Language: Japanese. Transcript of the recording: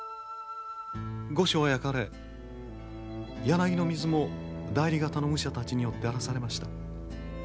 御所は焼かれ柳の水も内裏方の武者たちによって荒らされました。